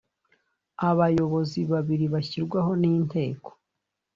Abayobozi babiri bashyirwaho n inteko